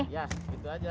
ya gitu aja